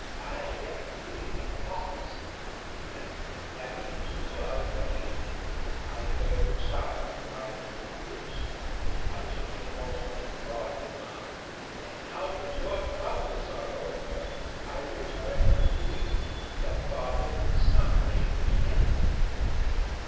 I am really a fox, and, happening to go out one evening, I heard a child crying in a ditch. I took him home and brought him up; and, now that your troubles are over, I return him to you, that father and son may be together."